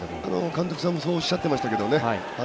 監督さんもそうおっしゃってましたけどね